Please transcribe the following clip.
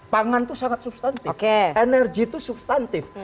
pangan itu sangat substantif energi itu substantif